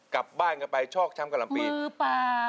กลับบ้านกันไปชอกช้ำกะลำปีหรือเปล่า